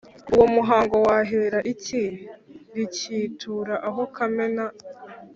Uwo muhango wahera iki rikitura aho Kamena